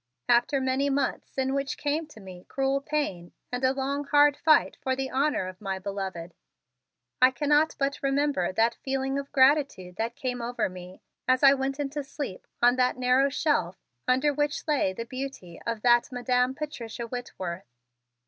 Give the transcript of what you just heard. After many months in which came to me cruel pain and a long hard fight for the honor of my beloved, I cannot but remember that feeling of gratitude that came over me as I went into sleep on that narrow shelf under which lay the beauty of that Madam Patricia Whitworth.